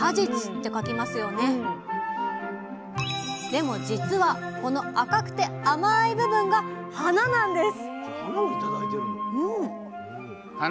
でもじつはこの赤くて甘い部分が花なんです！